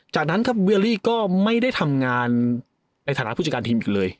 จากนั้นครับเวียรี่ก็ไม่ได้ทำงานในฐานะผู้จัดการทีมอีกเลย